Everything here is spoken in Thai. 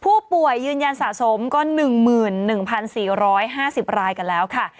ผู้ป่วยยืนยันสะสมก็๑๑๔๕๐รายกันแล้วค่ะ